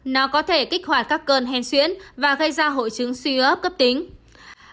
nó có thể kích hoạt các cơn hen xuyến và gây ra hội chứng suy ướp cấp tính